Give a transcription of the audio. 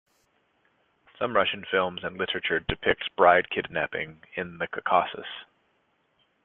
Some Russian films and literature depict bride kidnapping in the Caucasus.